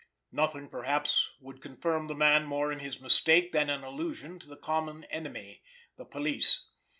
Nothing perhaps would confirm the man more in his mistake than an allusion to the common enemy—the police.